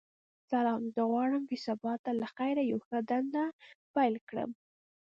سلام ،زه غواړم چی سبا ته لخیر یوه ښه دنده پیل کړم.